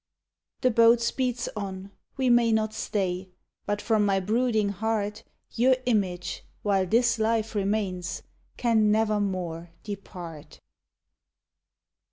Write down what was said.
The boat speeds on we may not stay, But from my brooding heart Your image, while this life remains, Can nevermore depart!